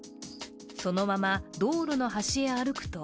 そのまま道路の端へ歩くと